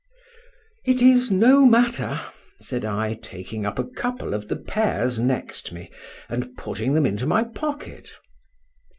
— It is no matter, said I, taking up a couple of the pairs next me, and putting them into my pocket.